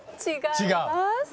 違う？